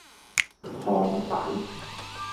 烘底